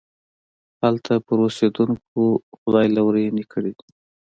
هلته پر اوسېدونکو خدای لورينې کړي دي.